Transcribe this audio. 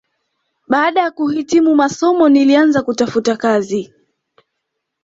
Baada ya kuhitimu masomo nilianza kutafuta kazi